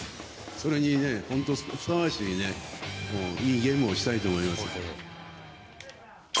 それにね、本当ふさわしいね、いいゲームをしたいと思います。